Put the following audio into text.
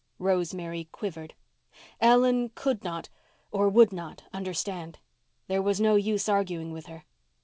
Rosemary quivered. Ellen could not, or would not, understand. There was no use arguing with her.